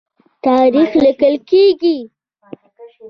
تاریخ لیکل کیږي.